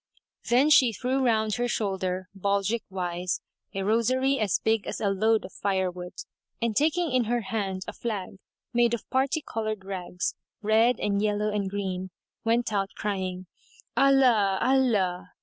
Then she threw round her shoulder, baldrick wise, a rosary as big as a load of firewood, and taking in her hand a flag, made of parti coloured rags, red and yellow and green, went out, crying, "Allah! Allah!"